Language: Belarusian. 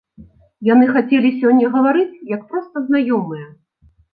Яны хацелі сёння гаварыць як проста знаёмыя.